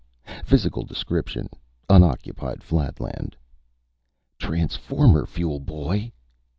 Physical descript: Unocc. flatland." "Transformer fuel, boy!"